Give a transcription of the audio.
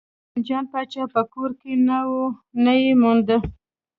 عثمان جان پاچا په کور کې نه و نه یې وموند.